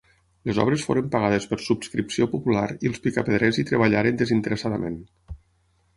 Les obres foren pagades per subscripció popular i els picapedrers hi treballaren desinteressadament.